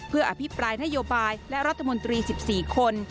เพื่ออภิปรายนโยบายและรัฐมนตรี๑๔คน